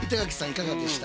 いかがでした？